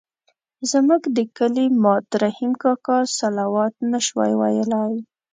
زموږ د کلي ماد رحیم کاکا الصلواة نه شوای ویلای.